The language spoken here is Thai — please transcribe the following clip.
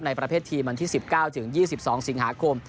ประเภททีมวันที่๑๙ถึง๒๒สิงหาคม